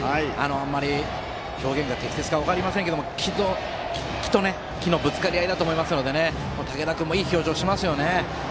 あまり表現が適切かは分かりませんが気と気のぶつかり合いだと思いますので竹田君もいい表情しますよね。